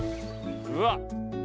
うわっ！